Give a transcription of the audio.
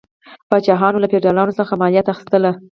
پاچاهانو له فیوډالانو څخه مالیات اخیستل.